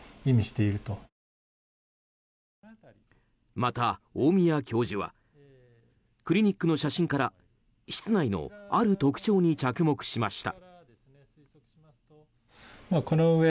また、大宮教授はクリニックの写真から室内のある特徴に着目しました。